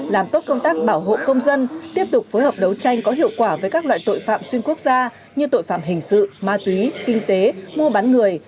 làm tốt công tác bảo hộ công dân tiếp tục phối hợp đấu tranh có hiệu quả với các loại tội phạm xuyên quốc gia như tội phạm hình sự ma túy kinh tế mua bán người